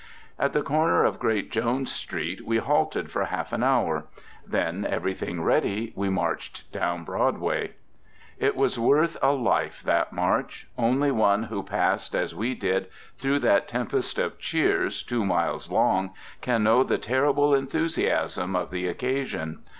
At the corner of Great Jones Street we halted for half an hour, then, everything ready, we marched down Broadway. It was worth a life, that march. Only one who passed, as we did, through that tempest of cheers, two miles long, can know the terrible enthusiasm of the occasion.